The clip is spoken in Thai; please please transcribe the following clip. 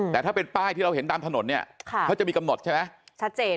แต่ถ้าเป็นป้ายที่เราเห็นตามถนนเนี่ยเขาจะมีกำหนดใช่ไหมชัดเจน